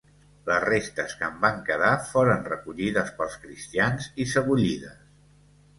Les restes que en van quedar foren recollides pels cristians i sebollides.